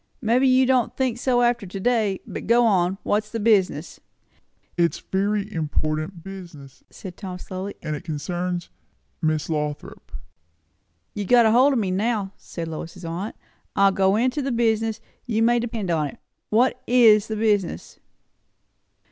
"Maybe you won't think so after to day. But go on. What's the business?" "It is very important business," said Tom slowly; "and it concerns Miss Lothrop." "You have got hold of me now," said Lois's aunt. "I'll go into the business, you may depend upon it. What is the business?"